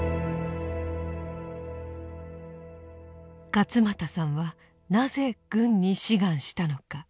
勝又さんはなぜ軍に志願したのか。